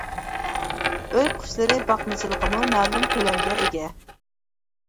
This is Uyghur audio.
ئۆي قۇشلىرى باقمىچىلىقىمۇ مەلۇم كۆلەمگە ئىگە.